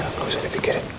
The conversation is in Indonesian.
ya udah gak usah dipikirin